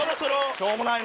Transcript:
しょうもないの。